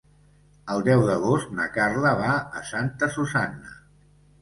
El deu d'agost na Carla va a Santa Susanna.